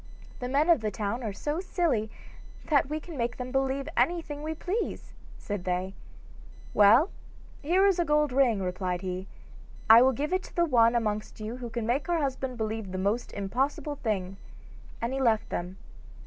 'The men of the town are so silly that we can make them believe anything we please,' said they. 'Well, here is a gold ring,' replied he, 'and I will give it to the one amongst you who can make her husband believe the most impossible thing,' and he left them.